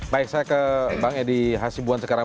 baik saya ke bang edi hasibuan sekarang